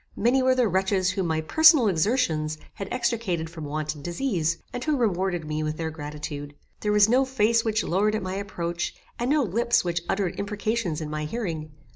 Many were the wretches whom my personal exertions had extricated from want and disease, and who rewarded me with their gratitude. There was no face which lowered at my approach, and no lips which uttered imprecations in my hearing.